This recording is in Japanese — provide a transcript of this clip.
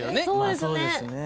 そうですね。